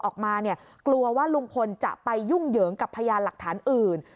กลัวว่าลุงพลจะไปยุ่งเหยิงกับพยานหลักฐานอื่น